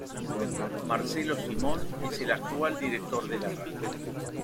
Marcelo Simón es el actual director de la radio.